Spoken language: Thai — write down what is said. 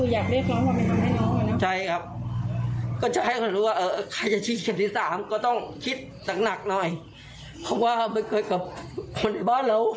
อยากให้เงียบ